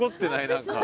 何か。